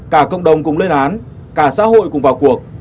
cả cộng đồng cùng lên án cả xã hội cùng vào cuộc